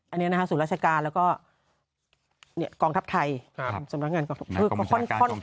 อันนี้นะคะสูตรราชการเราก็เงี่ยกองทัพไทยครับสำนักงานกศักดิ์ห่อนห่อนห้อน